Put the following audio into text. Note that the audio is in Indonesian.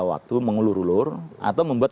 waktu mengulur ulur atau membuat